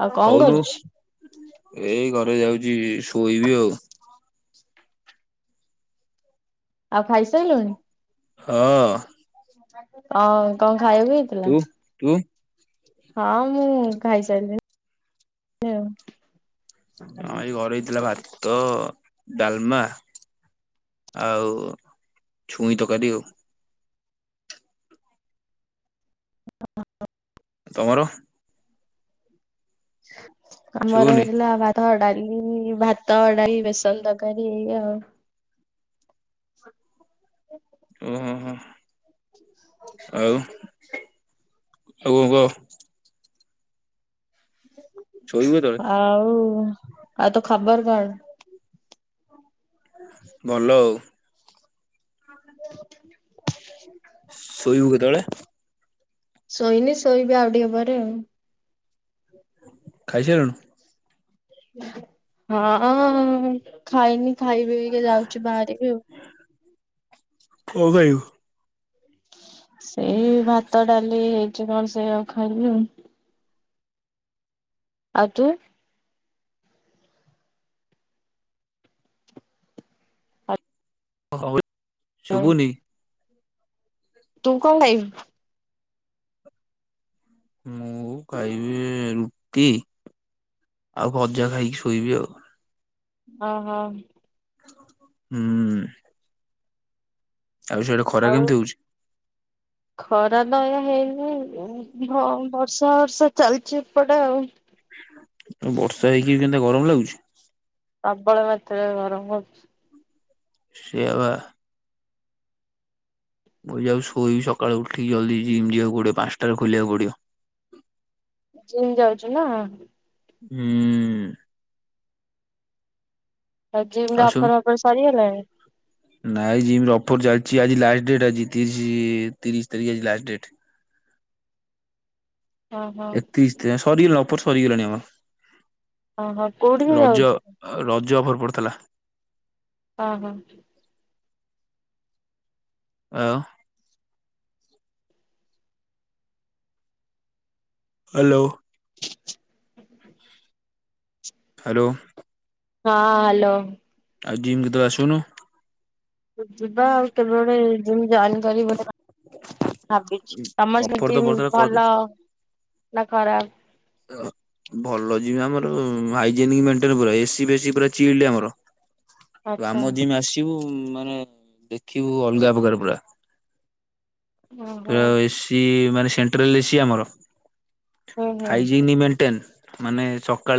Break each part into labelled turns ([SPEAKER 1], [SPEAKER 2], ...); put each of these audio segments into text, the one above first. [SPEAKER 1] ଆଉ କଣ
[SPEAKER 2] କହୁନୁ
[SPEAKER 1] କରୁଛୁ?
[SPEAKER 2] ଏଇ ଘ ମୁଁ ଏଇ ଯାଉଛି ଶୋଇବି ଆଉ।
[SPEAKER 1] ଆଉ ଖାଇସାରିଲୁଣି?
[SPEAKER 2] ହଁ।
[SPEAKER 1] କଣ କଣ ଖାଇବାକୁ ହେଇଥିଲା?
[SPEAKER 2] ତୁ ତୁ
[SPEAKER 1] ହଁ ମୁଁ ଖାଇସାରିଲିଣି ଆଉ।
[SPEAKER 2] ହଁ ଏଇ ଘରେ ହେଇଥିଲା ଭାତ। ଡାଲମା, ଆଉ ଛୁଇଁ ତକାରି ଆଉ।
[SPEAKER 1] [inaudible]
[SPEAKER 2] ତମର?
[SPEAKER 1] ଆମର
[SPEAKER 2] ଶୁଭୁନି
[SPEAKER 1] ହେଇଥିଲା ଭାତ, ଡ଼ା ଇ ଭାତ, ଡାଲି, ବେସନ ତରକାରୀ ଏଇୟା ଆଉ। ହ
[SPEAKER 2] ଓହୋ ହୋ ଆଉ। ଆଉ କଣ କହ? ଶୋଇବୁ କେତେବେଳେ
[SPEAKER 1] ଆଉ ଆଉ ତୋ ଖବର କଣ?
[SPEAKER 2] ଭଲ ଆଉ।
[SPEAKER 1] ହଁ
[SPEAKER 2] ଶୋଇବୁ କେତେବେଳେ?
[SPEAKER 1] ଶୋଇନି ଶୋଇବି ଆଉ ଟିକେ ପରେ ଆଉ।
[SPEAKER 2] ଖାଇସାରିଲୁଣି?
[SPEAKER 1] ହୁଁ ହଁ ଖାଇନି ଖାଇବି ଅବିକା ଯାଉଛି ବାହାରିବି ଆଉ।
[SPEAKER 2] କଣ ଖାଇବୁ?
[SPEAKER 1] ସେଇ ଭାତ, ଡାଲି ହେଇଛି କଣ ସେୟା ଆକୁ ଖାଇବି ଆଉ। ଆଉ ତୁ?
[SPEAKER 2] ଅ ହଉ ଏଇ ଶୁଭୁନି?
[SPEAKER 1] ତୁ କଣ ଖାଇବୁ?
[SPEAKER 2] ମୁଁ ଖାଇବି ରୁଟି। ଆଉ ଭଜା ଖାଇକି ଶୋଇବି ଆଉ।
[SPEAKER 1] ଓ ହୋ।
[SPEAKER 2] ହୁଁ। ଆଉ ସେଇ ଆଡ଼େ ଖରା
[SPEAKER 1] ଆଉ
[SPEAKER 2] କେମିତି ହଉଛି?
[SPEAKER 1] ଖରା ବା ଏୟା ହେଇନି ଉଁ। [unintelligible] ବର୍ଷା ବର୍ଷା ଚାଲିଛି ଏପଟେ ଆଉ।
[SPEAKER 2] ବର୍ଷା ହେଇକି ବି କେମିତିଆ ଗରମ ଲାଗୁଛି?
[SPEAKER 1] ପ୍ରବଳ ମାତ୍ରାରେ ଗରମ ହଉଛି।
[SPEAKER 2] ସେୟା ବା। ମୁଁ ଯାଉଛି ଶୋଇବି ସକାଳୁ ଉଠିକି ଜଲଦି ଜିମ୍ ଯିବାକୁ ପଡିବ ପାନ୍ସ ଟାରୁ ଖୋଲିବାକୁ ପଡିବ।
[SPEAKER 1] ଜିମ ଯାଉଛୁ ନୁହ।
[SPEAKER 2] ହୁଁ।
[SPEAKER 1] ଆଉ ଜିମରେ ଅଫର ଫଫର ସରିଗଲାଣି?
[SPEAKER 2] ନାଇଁ ଜିମର ଅଫର ଚାଲଚି ଆଜି ଲାଷ୍ଟ ଡେଟ ଆଜି ତିରିଶି ତିରିଶ ତାରିଖ ଆଜି ଲାଷ୍ଟ ଡେଟ।
[SPEAKER 1] ଓହୋ
[SPEAKER 2] ଏକତିରିଶ ଦ ସରିଗଲାଣି ଅଫର ସରିଗଲାଣି
[SPEAKER 1] ଓହୋ କୋଉଠିକି
[SPEAKER 2] ଆମର।
[SPEAKER 1] ଯାଉଛୁ
[SPEAKER 2] ରଜ ରଜ ଅଫର ପଡ଼ିଥିଲା।
[SPEAKER 1] ହଁ ହଁ।
[SPEAKER 2] ଆଉ। ହାଲୋ। ହାଲୋ।
[SPEAKER 1] ହଁ ହାଲୋ।
[SPEAKER 2] ଆଉ ଜିମ କି ତୁ ଆସୁନୁ।
[SPEAKER 1] ଯିବା ଆଉ କେବେ ଗୋଟେ ଜିମ୍ ଜାଇନି ଗରିବ ଟେ ଭା ଭାବିଚି ସମସ୍ତେ
[SPEAKER 2] ଅଫର ତ
[SPEAKER 1] ଜିମ୍
[SPEAKER 2] ପଡିଥିଲା କରିଦେ
[SPEAKER 1] ଭଲ। ନା ଖରାପ
[SPEAKER 2] ଭଲ ଜିମ୍ ଆମର ହାଇଯେନିକି ମେଣ୍ଟେନେ ପୁରା ଏସି ବେଶି ଚିଲ୍ଡ଼ି ଆମର। ତୁ
[SPEAKER 1] ଆଚ୍ଛା
[SPEAKER 2] ଆମ ଜିମ୍ ଆସିବୁ ମାନେ ଦେଖିବୁ ଅଲଗା ପ୍ରକାର ପୁରା।
[SPEAKER 1] ଓହୋ
[SPEAKER 2] ପୁରା ଏସି ମାନେ ସେଣ୍ଟ୍ରାଲ ଏସି ଆମର।
[SPEAKER 1] ହୁଁ ହୁଁ
[SPEAKER 2] ହାଇଜିନ୍ ମେଣ୍ଟେନ ମାନେ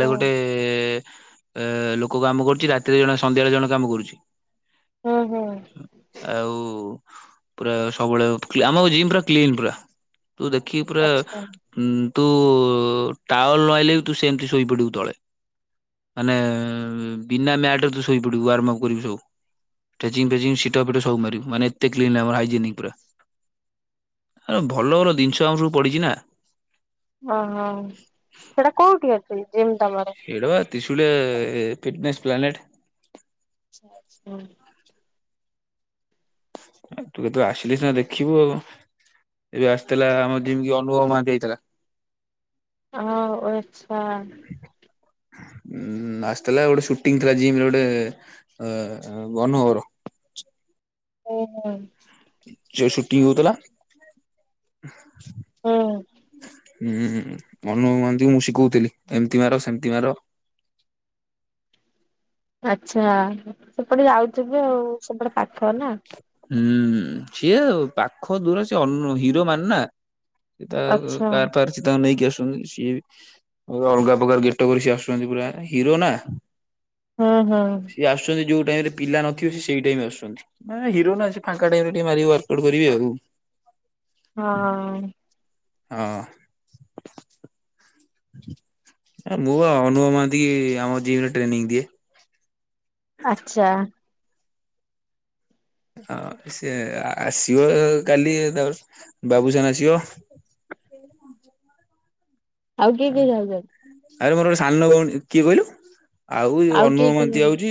[SPEAKER 1] ହୁଁ
[SPEAKER 2] ଗୋଟେ ଏ ଲୋକ କାମ କରୁଚି ରାତିରେ ଜଣେ ସନ୍ଧ୍ୟାଳେ ଜଣେ କାମ କରୁଛି।
[SPEAKER 1] ହୁଁ ହୁଁ।
[SPEAKER 2] ପୁ-ପୁରା ସବୁବେଳେ କ୍ଳି ଆମ ଜିମ୍ ପୁର କ୍ଲିନ୍ ପୁରା। ତୁ ଦେଖିକି ପୁରା
[SPEAKER 1] ଆଚ୍ଛା
[SPEAKER 2] ଉଁ ତୁ ଟାୱଲ ନ ଆଇଲେ ବି ତୁ ସେମିତି ଶୋଇପଡିବୁ ତଳେ । ମାନେ ବିନା ମ୍ୟାଟ୍ ରେ ତୁ ଶୋଇ ପଡିବୁ ୱାର୍ମପ କରିବୁ ସବୁ। ଟେଜିଙ୍ଗି ଫେଜିଙ୍ଗି ସିଟପ୍ ଫିଟପ୍ ସବୁ ମାରିବୁ ମାନେ ଏତେ କ୍ଲିନି ଆମର ହାଇଜେନିକି ପୁରା। ଏ ଭଲ ଭଲ ଜିନିଷ ଆମ ସବୁ ପଡିଚି ନା।
[SPEAKER 1] ଓହୋ ସେଟା କୋଉଟି ଅଛି? ଜିମ୍ ତମର?
[SPEAKER 2] ସେଇଟା ବା ତ୍ରିଶୁଳିଆ ଫିଟିନେସ୍ ପ୍ଲାନେଟେ।
[SPEAKER 1] ହୁଁ।
[SPEAKER 2] କେବେ ତୁ ଆସିଲେ ସିନା ଦେଖିବୁ ଆଉ। ଏବେ ଆସିଥିଲା ଆମ ଜିମ୍ କି ଅନୁଭବ ମହାନ୍ତି ଆଇଥିଲା।
[SPEAKER 1] ହଁ ଓ ଆଚ୍ଛା।
[SPEAKER 2] ଉଁ ଆସିଥିଲା ଗୋଟେ ସୁଟିଙ୍ଗି ଥିଲା ଜିମ୍ ଗୋଟେ ଅ-ଅନୁଭବ ର।
[SPEAKER 1] ଓହୋ।
[SPEAKER 2] ଯୋଉ ସୁଟିଙ୍ଗି ହଉତୁଲା।
[SPEAKER 1] ହୁଁ।
[SPEAKER 2] ହୁଁ ଅନୁଭବ ମହାନ୍ତିଙ୍କୁ ମୁଁ ଶିକଉଥିଲି ଏମିତି ମାର ସେମିତି ମାର।
[SPEAKER 1] ଆଚ୍ଛା ସେପଟେ ଯାଉଥିବେ ଆଉ ସେପଟେ ପାଖରେ ନା।
[SPEAKER 2] ହୁଁ ସିଏ ପାଖ ଦୂର ସେ ଅନୁ ହିରୋ ମାନେ ନା। ସେ ତା
[SPEAKER 1] ଆଚ୍ଛା
[SPEAKER 2] କାର ଫାର ସିଏ ତାଙ୍କୁ ନେଇକି ଆସୁ ଚନ୍ତି ସିଏ ବି ଆଉ ଅଲଗା ପ୍ରକାର ଗେଟପ୍ ରେ ସିଏ ଆସୁଚନ୍ତି ପୁରା ହିରୋ ନା ।
[SPEAKER 1] ହୁଁ ହୁଁ।
[SPEAKER 2] ଯୋଉ ଟାଇମ୍ ରେ ପିଲା ନଥିବେ ସିଏ ସେଇ ଟାଇମ୍ ରେ ଆସୁଚନ୍ତି। ମାନେ ହିରୋ ନା ସିଏ ଫାଙ୍କା ଟାଇମ୍ ରେ ଟିକେ ମାରିକି ୱାର୍କଆଉଟୁ କରିବେ ଆଉ।
[SPEAKER 1] ହଁ।
[SPEAKER 2] ହଁ। ମୁଁ ବା ଅନୁଭବ ମହାନ୍ତି କି ଆମ ଜିମ୍ ରେ ଟ୍ରେନିଂ ଦିଏ।
[SPEAKER 1] ଆଚ୍ଛା।
[SPEAKER 2] ହଁ ସିଏ ଆସିବ କାଲି ତାପରେ ବାବୁସାନ ଆସିବ।
[SPEAKER 1] ଆଉ କିଏ କିଏ ଯାଉଚନ୍ତି?
[SPEAKER 2] ଆରେ ମୋର ଗୋଟେ ସାନ ଭଉଣୀ କିଏ କହିଲୁ ଆଉ ଅନୁଭବ
[SPEAKER 1] କିଏ କିଏ
[SPEAKER 2] ମହାନ୍ତି
[SPEAKER 1] ଯାଉ
[SPEAKER 2] ଆଉଛି।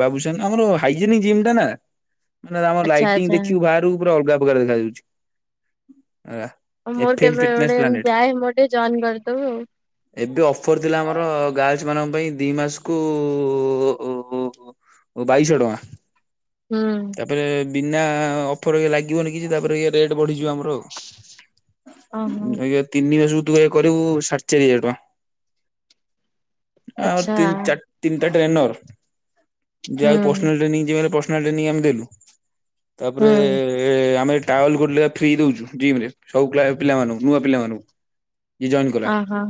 [SPEAKER 2] ବାବୁସାନ ଆମର ହାଇଜେନିକ ଜିମ୍ ଟା ନା ମାନେ ଆମର
[SPEAKER 1] ଆଚ୍ଛା
[SPEAKER 2] ଲାଇଟିଙ୍ଗ
[SPEAKER 1] ଆଚ୍ଛା
[SPEAKER 2] ଦେଖିବୁ ବାହାରକୁ ପୁରା ଅଲଗା ଉପକାର ଦେଖାଯାଉଛି। ହେଲା।
[SPEAKER 1] ଆ
[SPEAKER 2] ଏଫ
[SPEAKER 1] ମୋର
[SPEAKER 2] ଏମ୍
[SPEAKER 1] କେବେ
[SPEAKER 2] ଫିଟନେସ୍
[SPEAKER 1] ଗୋଟେ ଉ
[SPEAKER 2] ପ୍ଲାନେଟ
[SPEAKER 1] ଯାଏ ମୋର ଟିକେ ଜଏନ କରିଦବୁ।
[SPEAKER 2] ଏବେ ଅଫର ଥିଲା ଆମର ଗାର୍ଲସ ମାନଙ୍କ ପାଇଁ ଦି ମାସକୁଁ ବାଇଶହ ଟଙ୍କା
[SPEAKER 1] ହୁଁ
[SPEAKER 2] ତାପରେ ବିନା ଅଫର ଲାଗିବନି କିଛି ତାପରେ ଇଏ ରେଟ୍ ବଢିଯିବ ଆମର ଆଉ।
[SPEAKER 1] ଓହୋ
[SPEAKER 2] ଆଗେ ତିନି ମାସକୁ ତୁ କରିବୁ ସାଢେ ଚାରି ହଜାର ଟଙ୍କା। ଆମର
[SPEAKER 1] ଆଚ୍ଛା
[SPEAKER 2] ତିନି ଚା ତିନିଟା ଟ୍ରେନର
[SPEAKER 1] ହୁଁ
[SPEAKER 2] ଯାହାର ପର୍ଶନାଲ ଟ୍ରେନିଂ ଯିବାର [unintelligible] ଆମେ ଦେଲୁ ତାପରେ
[SPEAKER 1] ହୁଁ
[SPEAKER 2] ଆମ ଟାୱେଲ ଗୋଟେ ଲେଖା ଫ୍ରୀ ଦଉଛୁ ଜିମରେ ସବୁ ପିଲା ପିଲାମାନଙ୍କୁ ନୂଆ ପିଲାମାନଙ୍କୁ ଏ ଜଏନ୍ କଲା।
[SPEAKER 1] ଓହୋ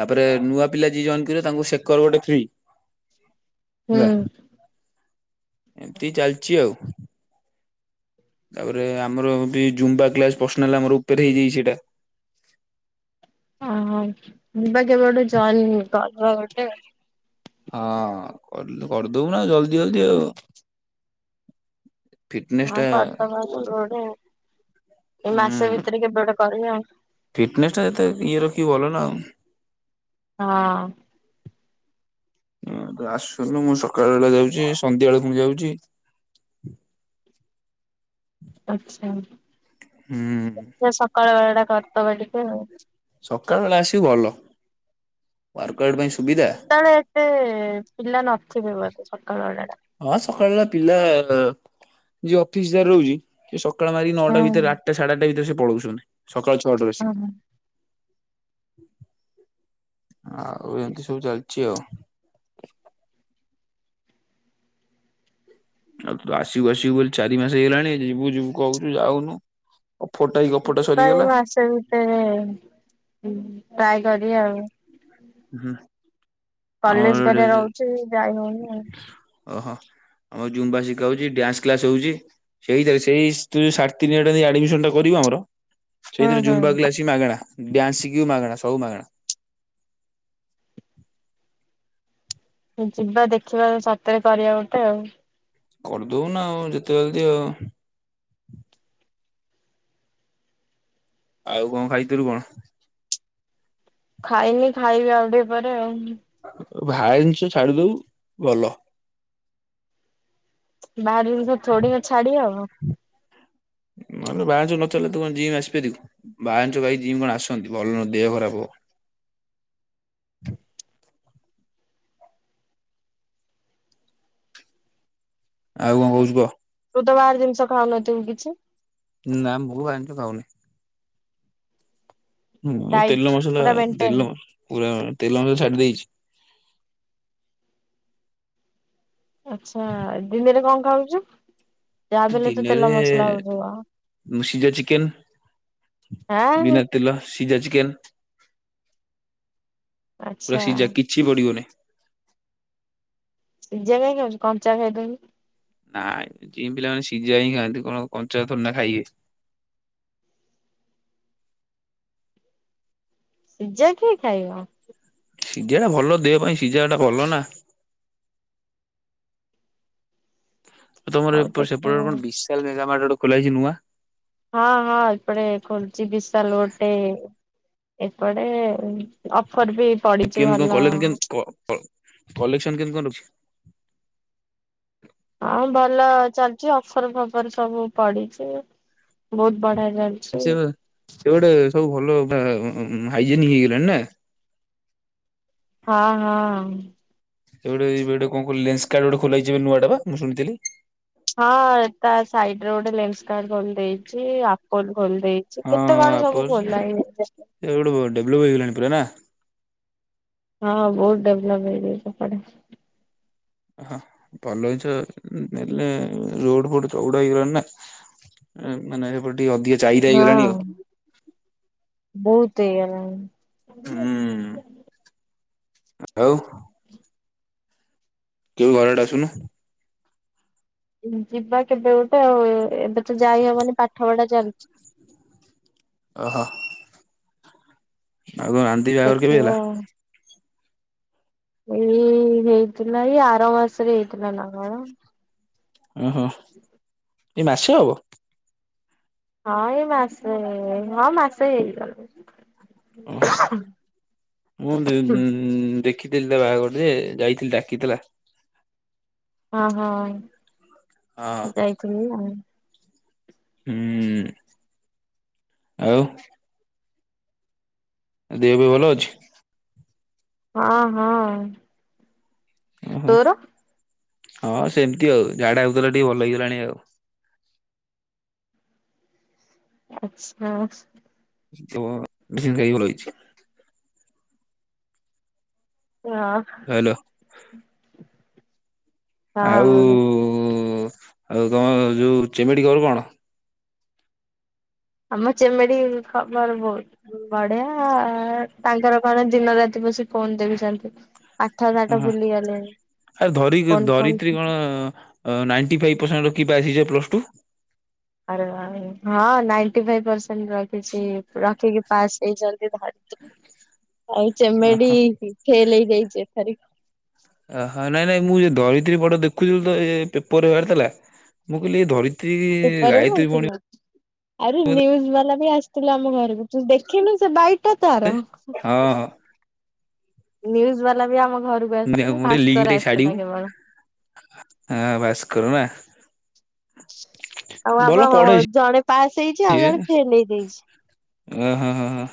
[SPEAKER 2] ତାପରେ ନୂଆ ପିଲା ଯିଏ ଜଏନ କରିବ ତାଙ୍କୁ ସେକର ଗୋଟେ ଫ୍ରୀ।
[SPEAKER 1] ହୁଁ
[SPEAKER 2] ହେଲା ଏମିତି ଚାଲିଛି ଆଉ। ତାପରେ ଆମରବି ଜୁମ୍ବା କ୍ଲାସ ପର୍ସନାଲ ଆମର ଉପରେ ହେଇଯାଇଛି ସେଇଟା
[SPEAKER 1] ଓ ଯିବା କେବେ ଗୋଟେ ଜଏନ କ-କରିଦେବ।
[SPEAKER 2] ହଁ କ-କରିଦବୁ ନା ଜଲଦି ଜଲଦି। ଫିଟନେସ୍
[SPEAKER 1] ହଁ
[SPEAKER 2] ଟା।
[SPEAKER 1] କରିଦବା କେବେ ଗୋଟେ ଏଇ
[SPEAKER 2] ହୁଁ
[SPEAKER 1] ମାସ ଭିତରେ କେବେ ଗୋଟେ କରିବା
[SPEAKER 2] ଫିଟନେସ ଟା ଯେତେ ଇଏ ରଖିବୁ ଭଲ ନା।
[SPEAKER 1] ହଁ।
[SPEAKER 2] ହ ଆସୁନୁ ମୁଁ ସକାଳ ଓଳା ଯାଉଛି ସନ୍ଧ୍ୟା ବେଳକୁ ମୁଁ ଯାଉଛି।
[SPEAKER 1] ଆଛା
[SPEAKER 2] ହୁଁ।
[SPEAKER 1] ଦେଖିବା ସକାଳ ବେଳଟା କରିଦବା ଟିକେ ଆଉ
[SPEAKER 2] ସକାଳ ବେଳେ ଆସିବୁ ଭଲ ୱାର୍କ ଆଉଟ ପାଇଁ ସୁବିଧା
[SPEAKER 1] ସେତେବେଳେ ଏତେ ପିଲା ନଥିବେ ବୋଧେ ସକାଳ ଓଳା।
[SPEAKER 2] ହଁ ସକାଳ ପିଲା ଯିଏ ଅଫିସ ଯାର ରହୁଚି ରହୁଛି ସେ ସ ସକାଳ ମାରିକି
[SPEAKER 1] ହୁଁ
[SPEAKER 2] ନଅଟା ଭିତରେ ଆଠଟା ସାଢେ ଆଠଟା ଭିତରେ ସେ ପଳଉଛନ୍ତି ସକାଳୁ ଛଅଟାରୁ ଆସିକି।
[SPEAKER 1] ହୁଁ।
[SPEAKER 2] ଆଉ ଏମିତି ସବୁ ଚାଲିଛି ଆଉ। ଆଉ ତୁ ଆସିବୁ ଆସିବୁ ବୋଲି ଚାରି ମାସ ହେଇଗଲାଣି ଯିବୁ ଯିବୁ କହୁଛୁ ଯାଉନୁ। ଅଫରଟା ଏଇ ଗପଟା
[SPEAKER 1] ସେଥିପାଇଁ ମୁଁ
[SPEAKER 2] ସରିଗଲା
[SPEAKER 1] ମାସେ ଭିତରେ ଟ୍ରାଏ କରି ଆଉ।
[SPEAKER 2] ହୁଁ
[SPEAKER 1] କଲେଜ
[SPEAKER 2] ଆମର
[SPEAKER 1] କରିବା ରହୁଛି ଯାଇ ହଉନି ଆଉ।
[SPEAKER 2] [unintelligible] ଓହୋ। ଆମ ଜୁମ୍ବା ଶିକା ହଉଛି ଡ୍ୟାନ୍ସ କ୍ଲାସ ହଉଛି। ସେଇ ସେଇଠି ସାଢେ ତିନିହଜାରଟା ଦେଇ ଆଡମିସନ ଟା କରିବୁ ଆମର
[SPEAKER 1] ହୁଁ
[SPEAKER 2] ସେଇଥିରେ ଜୁମ୍ବା
[SPEAKER 1] ହୁଁ
[SPEAKER 2] କ୍ଲାସ ବି ମାଗଣା ଡ୍ୟାନ୍ସ ଶିଖିବୁ ମାଗଣା ସବୁ ମାଗଣା। ହ
[SPEAKER 1] ଯିବା ଦେଖିବା ସତରେ କରିବା ଗୋଟେ ଆଉ।
[SPEAKER 2] କରିଦଉନା ଆଉ ଯେତେ ଜଲଦି ଆଉ। ଆଉ କଣ ଖାଇଥିଲୁ କଣ?
[SPEAKER 1] ଖାଇନି ଖାଇବି ଆଉ ଟିକେ ପରେ ଆଉ।
[SPEAKER 2] ଭାଆର ଜିନିଷ ଛାଡିଦବୁ ଭଲ।
[SPEAKER 1] ବାହାର ଜିନିଷ ଥୋଡିିନା ଛାଡି ହବ।
[SPEAKER 2] ତ ତୁକଣ ଜିମ୍ ଆସି ପାରିବୁ ବାହା ଜିନିଷ ଖାଇ ଜିମ୍ କଣ ଆସନ୍ତି ଭଲ ନୁହଁ ଦେହ ଖରାପ ହବ। ଆଉ କଣ କହୁଛୁ କହ?
[SPEAKER 1] ତୁ ବାହାର ଜିନିଷ ଖାଉନଥିବ କିଛି?
[SPEAKER 2] ନା ମୁଁ ଆଇଁଷ ଖାଉନି। ହୁଁ ତେଲ
[SPEAKER 1] ଡାଇଟ୍
[SPEAKER 2] ମସଲା
[SPEAKER 1] ପୁରା ମେଣ୍ଟେନ।
[SPEAKER 2] ତେଲ ପୁରା ତେଲ ମ ଛାଡି ଦେଇଛି।
[SPEAKER 1] ଆଚ୍ଛା ଦିନରେ କଣ ଖାଉଛୁ? ଯାହାବି ହେଲେ ତ ତେଲ
[SPEAKER 2] ଦିନରେ
[SPEAKER 1] ମସଲା ହଉଥିବ।
[SPEAKER 2] ଉଁ ସିଝା ଚିକେନ।
[SPEAKER 1] ଆଁ
[SPEAKER 2] ବିନା ତେଲ ସିଝା ଚିକେନ୍। ପୁରା
[SPEAKER 1] ଆଚ୍ଛା
[SPEAKER 2] ସିଝା କିଛି ପଡିବନି।
[SPEAKER 1] ସିଝା କାହିଁ ଖାଉଚୁ କଞ୍ଚା ଖାଇ ଦଉନୁ?
[SPEAKER 2] ନାଇଁ ଜିମ ପିଲାମାନେ ସିଝା ହିଁ ଖାଆନ୍ତି। କଣ କଞ୍ଚା ଥୋଡି ନା ଖାଇବେ?
[SPEAKER 1] ସିଝା କିଏ ଖାଇବ?
[SPEAKER 2] ସିଝା ଟା ଭଲ ଦେହ ପାଇଁ ସିଝା ଟା ଭଲ ନା। ଆଉ ତମର
[SPEAKER 1] ହଉ
[SPEAKER 2] ଏପଟ ସେପଟରେ
[SPEAKER 1] ଦେଖିବା
[SPEAKER 2] କଣ ବିଶାଲ ମେଗା ମାର୍ଟ ଗୋଟେ ଖୋଲାହେଇଛି ନୂଆ?
[SPEAKER 1] ହଁ ହଁ ଏପଟେ ଖୋଲଚି ବିିସାଲ ଗୋଟେ। ଏପଟେ ଅଫର ବି। ପଡିଛି
[SPEAKER 2] କେମିତି କଣ
[SPEAKER 1] ଭଲ
[SPEAKER 2] କଲେକ୍ସନ କେମିତି କ-କ-କଲେକ୍ସନ କେମିତି କଣ ରହୁଛି?
[SPEAKER 1] ହଁ ଭଲ ଚାଲିଛି ଅଫର ଫଫର ସବୁ ପଡିଛି ବହୁତ ବଢିଆ ଲାଗୁଛି।
[SPEAKER 2] ସେ ସେ ଗୋଟେ ସବୁ ଭଲ ବା ଉଁ ହାଇଜେନିକ ହେଇଗଲେଣି ନା।
[SPEAKER 1] ହଁ ହଁ।
[SPEAKER 2] ଏବେ ଗୋଟେ ଏଇ ପଟେ କଣ କ ଲେନ୍ସ କାର୍ଟ ଗୋଟେ ଖୋଲାହେଇଛି ଏବେ ନୂଆ ଟା ପା ମୁଁ ଶୁଣିଥିଲି।
[SPEAKER 1] ହଁ ତା ସାଇଡରେ ଗୋଟେ ଲେନ୍ସ କାର୍ଟ ଖୋଲ ଦେଇଛି ଆପୋଲ ଖୋଲି ଦେଇଛି
[SPEAKER 2] ହଁ
[SPEAKER 1] କେତେ କଣ ସବୁ
[SPEAKER 2] ଆପର ସେ
[SPEAKER 1] ଖୋଲା ହେଇଯାଇଛି।
[SPEAKER 2] ଗୋଟେ ଡେଭଲପ ହେଇଗଲାଣି ପୁରା ନା
[SPEAKER 1] ହଁ ବହୁତ ଡେଭଲପ ହେଇଯାଇଚି ସେପଟେ।
[SPEAKER 2] ହଁ ଭଲ ହେଇଚ ନେଲେ ରୋଡ ଫୋଡ ଚଉଡା ହେଇଗଲାଣି ନା। ଏ ମାନେ ଏପଟେ ଟିକେ ଅଧିକ ଚାହିଦା ହେଇଗଲାଣି ଆଉ।
[SPEAKER 1] ହଁ ବହୁତ ହେଇଗଲାଣି।
[SPEAKER 2] ହୁଁ ଆଉ। କେବେ ଘରଆଡ଼େ ଆସୁନୁ?
[SPEAKER 1] ଉଁ ଯିବା କେବେ ଗୋଟେ ଆଉ ଏ-ଏବେ ତ ଯାଇ ହବନି ପାଠ ପଢା ଚାଲିଛି।
[SPEAKER 2] ଓହୋ। ଆଉ କଣ ମାନ ଦେଇ ବାହାଘର କେବେ
[SPEAKER 1] ଦେଖିବା
[SPEAKER 2] ହେଲା?
[SPEAKER 1] ଆଉ। ଏଇ ହେଇଥିଲା ଏଇ ଆର ମାସରେ ହେଇଥିଲା ନା କଣ?
[SPEAKER 2] ଓହୋ ଏ ମାସେ ହବ?
[SPEAKER 1] ହଁ ଏଇ ମାସେ ହଁ ମାସେ ହେଇଗଲାଣି।
[SPEAKER 2] ଓହୋ ମୁଁ ଦେ ଦ ଦେଖ ଦେଖିଥିଲି ତା ବାହାଘର ଯେ ଯାଇଥିଲି ଡାକିଥିଲା।
[SPEAKER 1] ହଁ ହଁ
[SPEAKER 2] ହଁ।
[SPEAKER 1] ତୁ ଯାଇଥିଲୁ ନା।
[SPEAKER 2] ହୁଁ ଆଉ। ଏଁ ଦେହ ପେହ ଭଲ ଅଛି?
[SPEAKER 1] ହଁ ହଁ।
[SPEAKER 2] ଓହୋ
[SPEAKER 1] ତୋର?
[SPEAKER 2] ହଁ ସେମିତି ଆଉ ଝାଡା ହଉଥିଲା ଟିକେ ଭଲ ହେଇଗଲାଣି ଆଉ।
[SPEAKER 1] ଆଚ୍ଛା।
[SPEAKER 2] କୁହ ମେଡିସିନ ଖାଈକି ଭଲ ହେଇଚି।
[SPEAKER 1] ଇ ହଁ।
[SPEAKER 2] ହ୍ୟାଲୋ ଆଉ
[SPEAKER 1] ହଁ।
[SPEAKER 2] ଆଉ ତମର ଯୋଉ ଚିମିଡି ଖବର କଣ?
[SPEAKER 1] ଆମ ଚେମେଡି ଖବର ବହୁତ ବଢିଆ ତାଙ୍କର କଣ ଦିନ ରାତି ବସି ଫୋନ ଦେଖୁଛନ୍ତି। ପାଠ ସାଠ
[SPEAKER 2] ଓହୋ
[SPEAKER 1] ଭୁଲି ଗଲେଣି
[SPEAKER 2] ଆରେ ଧରି
[SPEAKER 1] ଫୋନ
[SPEAKER 2] ଧରିତ୍ରୀ
[SPEAKER 1] ଫୋନ
[SPEAKER 2] କଣ? ଅ ନାଇଣ୍ଟି ଫାଇଭ୍ ପରସେଣ୍ଟ ରଖିକି ପାସ୍ ହେଇଚି ପା ପ୍ଲସ ଟୁ।
[SPEAKER 1] ଆରେ ହଁ ନାଇଣ୍ଟି ଫାଇଭ୍ ପରସେଣ୍ଟ ରଖିଚି ରଖିକି ପାସ୍ ହେଇଚନ୍ତି ଭାଆରିଚି। ଆଉ ଚେମେଡି
[SPEAKER 2] ଓହୋ
[SPEAKER 1] ଫେଲେ ହେଇଯାଇଚି ଏଥର ବି।
[SPEAKER 2] ଆ ହା ନାଇଁ ନାଇଁ ମୁଁ ଏ ଧରିତ୍ରି ପଟ ଦେଖୁଥିଲି ତ ଏ ପେପରରେ ବାହାରିଥିଲା ମୁଁ କହିଲି ଏ ଧରି
[SPEAKER 1] ପେପର୍ ରେ ବାହାରିଥିଲା, ଆରେ
[SPEAKER 2] ବୋଧେ
[SPEAKER 1] ନିୟୁଜ୍ ବାଲା ବି ଆସ୍। ଥିଲେ ଆମ ଘରକୁ ତୁ ଦେଖିନୁ ସେ ବାଇଟ୍ ଟା ତାର।
[SPEAKER 2] ହଁ ହଁ
[SPEAKER 1] ନ୍ୟୁଜ୍ ବାଲା ବି ଆମ ଘରକୁ ଆସିଥିଲା।
[SPEAKER 2] ମୁଁ ଲିଙ୍କ
[SPEAKER 1] ଭାସ୍କର
[SPEAKER 2] ଟିକେ
[SPEAKER 1] ଆସିଥିଲା
[SPEAKER 2] ଛାଡିବୁ
[SPEAKER 1] କେବଳ।
[SPEAKER 2] ହଁ ଭାସ୍କର ନା
[SPEAKER 1] ଆଉ
[SPEAKER 2] ଭଲ
[SPEAKER 1] ଆମ
[SPEAKER 2] ପଢେ
[SPEAKER 1] ଜଣେ ପାସ୍ ହେଇଚି ଆଉ ଜଣେ ଫେଲ ହେଇ ଯାଇଚି।
[SPEAKER 2] ଓ ହୋ ହ ହ।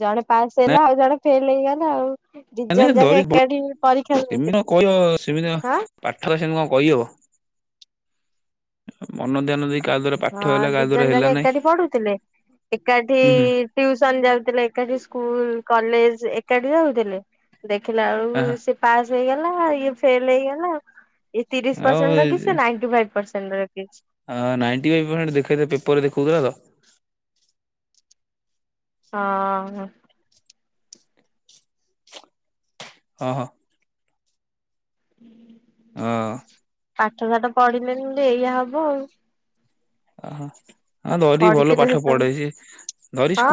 [SPEAKER 1] ଜଣେ ପାସ୍ ହେଲା ଆଉ ଜଣେ ଫେଲ ହେଇଗଲା ଆଉ। ଦି
[SPEAKER 2] ମାନେ
[SPEAKER 1] ଜଣ ଯାକ
[SPEAKER 2] ଧରି ଭଲ
[SPEAKER 1] ଏକାଠି ପରୀକ୍ଷା
[SPEAKER 2] ଏମିତି
[SPEAKER 1] ଦଉଥିଲେ
[SPEAKER 2] କହିବ ସେମିତି କଁ
[SPEAKER 1] ହଁ
[SPEAKER 2] ପାଠରେ ସେମିତି କଁ କହିହବ ମନଧ୍ୟାନ ଦେଇ। କାହା ଦ୍ଵାରା ପାଠ
[SPEAKER 1] ହଁ
[SPEAKER 2] ହେଲା
[SPEAKER 1] ଦି
[SPEAKER 2] କାହା ଦ୍ଵାରା
[SPEAKER 1] ଜଣ
[SPEAKER 2] ହେଲା
[SPEAKER 1] ଯାକ
[SPEAKER 2] ନାଇଁ
[SPEAKER 1] ଏକାଠି ପଢୁଥିଲେ। ଏକାଠି
[SPEAKER 2] ହୁଁ ହୁଁ
[SPEAKER 1] ଟ୍ୟୁସନ ଯାଉଥିଲେ ଏକାଠି ସ୍କୁଲ କଲେଜ ଏକାଠି ଯାଉଥିଲେ ଦେଖିଲା
[SPEAKER 2] ଆ
[SPEAKER 1] ବେଳକୁ ସେ ପାସ୍ ହେଇଗଲା ଇଏ ଫେଲ୍ ହେଇଗଲା ଇଏ ତିରିଶ ପରସେଣ୍ଟ ରଖିଚି ସେ ନାଆଣ୍ଟି ଫାଇପ ପରସେଣ୍ଟ୍ ରଖ୍
[SPEAKER 2] ହଁ ନାଇଣ୍ଟି ଫାଇବ୍ ପରସେଣ୍ଟ ଦେଖରେ ପେପରରେ ଦେଖଉଥିଲା ତ ।
[SPEAKER 1] ହଁ।
[SPEAKER 2] ହଁ ହଁ।
[SPEAKER 1] ଉଁ ହୁଁ।
[SPEAKER 2] ହଁ।
[SPEAKER 1] ପାଠ ସାଠ ପଢିଲେନି ଯେ ଏଇଆ ହବ ଆଉ।
[SPEAKER 2] ଓହ ହଁ ଧରି ଭଲ
[SPEAKER 1] ପଢିଥିଲେ
[SPEAKER 2] ପାଠ
[SPEAKER 1] ସେତେବେଳେ
[SPEAKER 2] ପଢେ ସେ ଧରି
[SPEAKER 1] ହଁ।
[SPEAKER 2] ସ୍କୁ